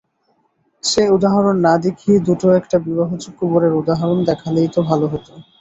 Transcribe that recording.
সে উদাহরণ না দেখিয়ে দুটো-একটা বিবাহযোগ্য বরের উদাহরণ দেখালেই তো ভালো হত।